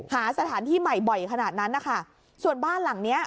หาสถานที่ใหม่บ่อยขนาดนั้นนะคะส่วนบ้านหลังเนี้ย